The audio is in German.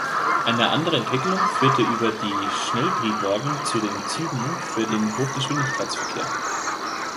Eine andere Entwicklung führte über die Schnelltriebwagen zu den Zügen für den Hochgeschwindigkeitsverkehr.